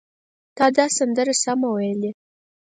تا دا سندره سمه وویلې!